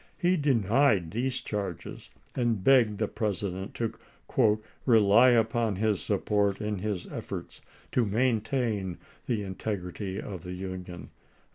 He denied these charges, and begged the President to "rely upon his support in his M« efforts to maintain the integrity of the Union."